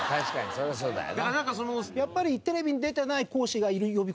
そりゃそうだよな。